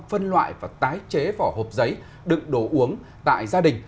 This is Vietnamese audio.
phân loại và tái chế vỏ hộp giấy đựng đồ uống tại gia đình